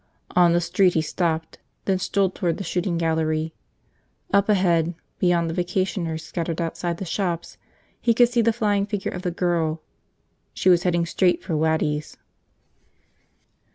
On the street he stopped, then strolled toward the shooting gallery. Up ahead, beyond the vacationers scattered outside the shops, he could see the flying figure of the girl. She was heading straight for Waddy's.